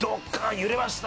揺れました」